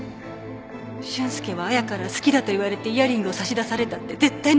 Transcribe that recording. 俊介は亜矢から好きだと言われてイヤリングを差し出されたって絶対に受け取らない。